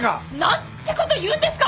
何てこと言うんですか！